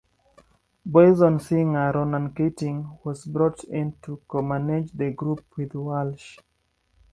Boyzone singer Ronan Keating was brought in to co-manage the group with Walsh.